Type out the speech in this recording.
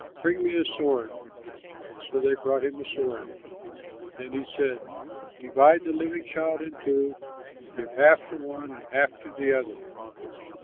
Bring me a sword." So they brought him a sword. Then he said, "Divide the living child in two and give half to the one and half to the other."